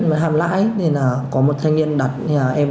qua quá trình trình sát công an huyện đông anh phát hiện